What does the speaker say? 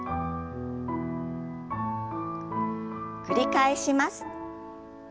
繰り返します。